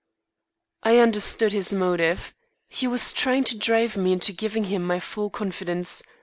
I understood his motive. He was trying to drive me into giving him my full confidence.